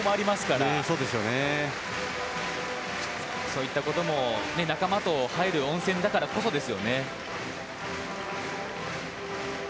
そういったことも仲間と入る温泉だからこそですよね。